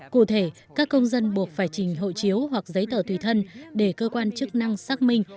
cụ thể các công dân buộc phải trình hộ chiếu hoặc giấy tờ tùy thân để cơ quan chức năng xác minh